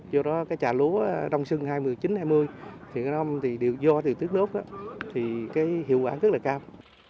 do đó cái trà lúa đông sưng hai mươi chín hai mươi hiện nay do điều thiết nước thì hiệu quả rất là cao